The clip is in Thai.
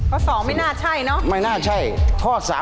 ข้อ๒ไม่ง่าใช่เนอะ